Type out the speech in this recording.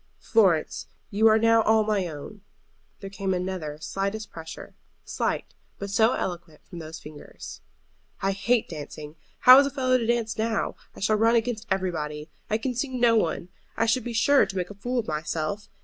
"Florence, you are now all my own." There came another slightest pressure, slight, but so eloquent from those fingers. "I hate dancing. How is a fellow to dance now? I shall run against everybody. I can see no one. I should be sure to make a fool of myself.